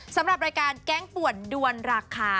สำหรับรายการแก๊งป่วนด้วนราคา